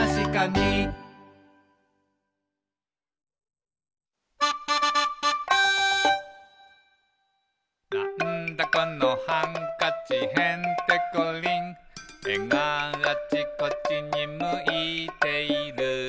「なんだこのハンカチへんてこりん」「えがあちこちにむいている」